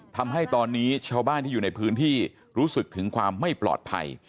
ทำให้ตอนนี้ชาวบ้านที่อยู่ในพื้นที่รู้สึกถึงความไม่ปลอดภัย